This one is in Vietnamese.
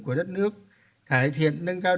của đất nước cải thiện nâng cao